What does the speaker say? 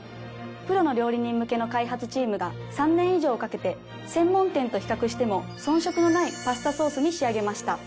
プロの料理人向けの開発チームが３年以上かけて専門店と比較しても遜色のないパスタソースに仕上げました。